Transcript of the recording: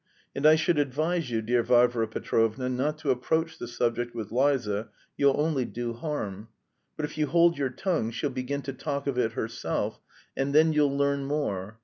And I should advise you, dear Varvara Petrovna, not to approach the subject with Liza, you'll only do harm. But if you hold your tongue she'll begin to talk of it herself, and then you'll learn more.